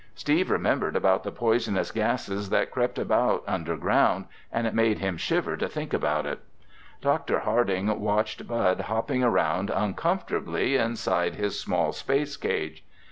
Steve remembered about the poisonous gases that crept about underground and it made him shiver to think about it. Dr. Harding watched Bud hopping around uncomfortably inside his small space cage.